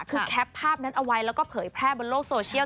คือแคปภาพนั้นเอาไว้แล้วก็เผยแพร่บนโลกโซเชียล